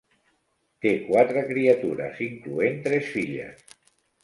Té quatre criatures, incloent tres filles.